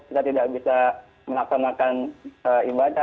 kita tidak bisa melaksanakan ibadah